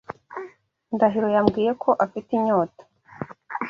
Ndahiro yambwiye ko afite inyota.